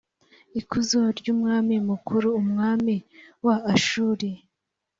ikuzo ry ‘umwami mukuru umwami wa ashuri